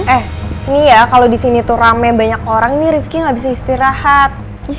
eh nih ya kalo disini tuh rame banyak orang nih rifqi gabisa istirahat